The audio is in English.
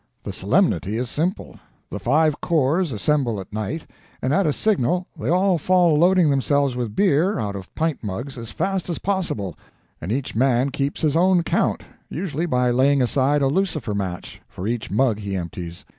The solemnity is simple; the five corps assemble at night, and at a signal they all fall loading themselves with beer, out of pint mugs, as fast as possible, and each man keeps his own count usually by laying aside a lucifer match for each mug he empties.